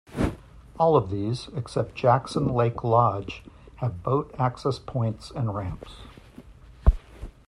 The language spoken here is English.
All of these except Jackson Lake Lodge have boat access points and ramps.